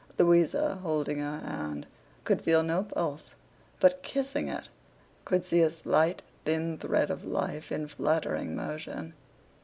Louisa, holding her hand, could feel no pulse; but kissing it, could see a slight thin thread of life in fluttering motion.